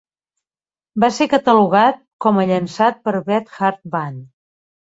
Va ser catalogat com a llançat per Beth Hart Band.